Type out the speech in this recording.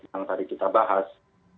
yang tadi kita bahas